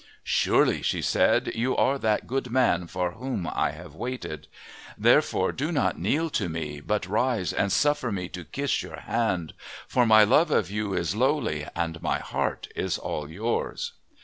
"Surely," she said, "you are that good man for whom I have waited. Therefore do not kneel to me, but rise and suffer me to kiss your hand. For my love of you is lowly, and my heart is all yours."